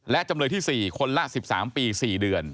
และจำเลยที่๔คนละ๑๓ปี๔เดือน